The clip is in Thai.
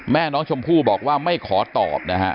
แม่น้องชมพู่บอกว่าไม่ขอตอบนะฮะ